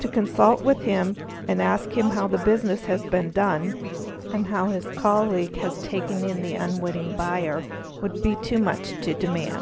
To consult with him and ask him how the business has been done and how his colleague has taken in the unwitting" : buyer, would be too much to demand.